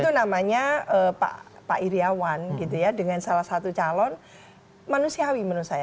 itu namanya pak iryawan gitu ya dengan salah satu calon manusiawi menurut saya